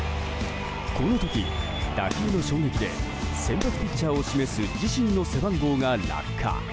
この時、打球の衝撃で先発ピッチャーを示す自身の背番号が落下。